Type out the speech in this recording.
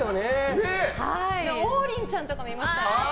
王林ちゃんとかもいますからね。